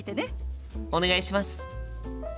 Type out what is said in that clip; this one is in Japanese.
お願いします！